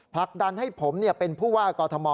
ผลักดันให้ผมเป็นผู้ว่ากอทม